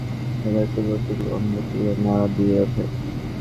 ঘুমন্ত রিহানকে দেখে আমার ভেতরের টুকরো টুকরো অনুভূতিগুলো নাড়া দিয়ে ওঠে।